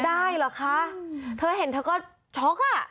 ได้เหรอคะเธอเห็นเธอก็ช็อกอ่ะ